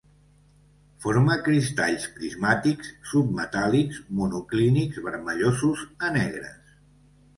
Forma cristalls prismàtics submetàl·lics monoclínics vermellosos a negres.